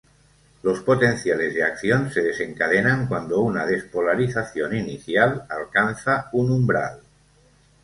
Los potenciales de acción se desencadenan cuando una despolarización inicial alcanza un "umbral".